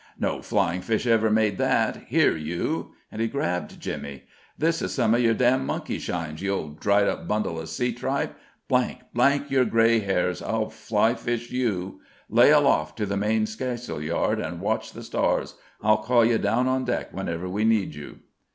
"No flying fish ever made that! Here, you!" and he grabbed Jimmy. "This is some of your damn monkey shines, you old dried up bundle of sea tripe! your gray hairs, I'll flying fish you! Lay aloft to the main skysail yard and watch the stars! I'll call you down on deck whenever we need you!"